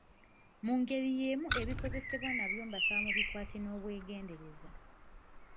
Mu ngeri yeemu ebikozesebwa nabyo mbasaba mubikwate n'obwegendereza.